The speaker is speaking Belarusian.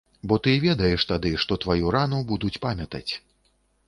Бо ты ведаеш тады, што тваю рану будуць памятаць.